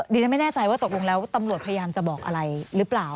ดิฉันไม่แน่ใจว่าตกลงแล้วตำรวจพยายามจะบอกอะไรหรือเปล่า